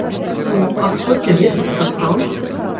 Ну а хто цябе сустракаў?